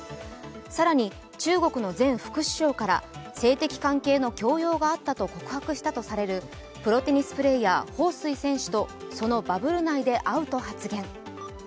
更に、中国の前副首相から性的関係の強要があったと告白したとされるプロテニスプレーヤー、彭帥選手とそのバブル内で会うと発言。